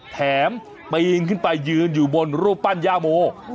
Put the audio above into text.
แถมไปอิงขึ้นไปยืนอยู่บนรูปปั้นยาโม